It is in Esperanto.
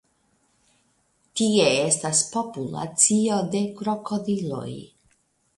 Tie estas populacio de krokodiloj.